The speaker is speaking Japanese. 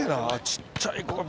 ちっちゃい子が。